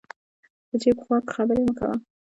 په چپ غوږ خبرې مه کوه